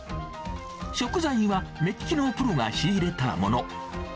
食材は目利きのプロが仕入れたもの。